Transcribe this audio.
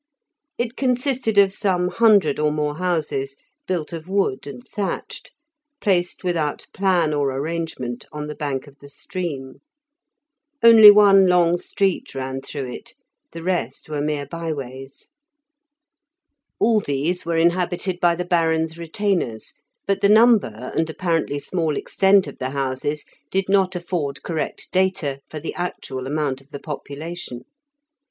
It consisted of some hundred or more houses, built of wood and thatched, placed without plan or arrangement on the bank of the stream. Only one long street ran through it, the rest were mere by ways. All these were inhabited by the Baron's retainers, but the number and apparently small extent of the houses did not afford correct data for the actual amount of the population.